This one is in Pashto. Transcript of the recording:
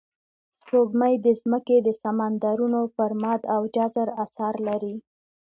سپوږمۍ د ځمکې د سمندرونو پر مد او جزر اثر لري